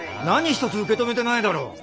何一つ受け止めてないだろ？